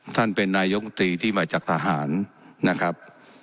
ท่านเป็นนายกมตรีที่มาจากทหารนะครับ